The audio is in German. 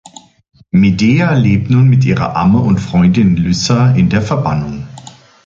Medea lebt nun mit ihrer Amme und Freundin Lyssa in der Verbannung.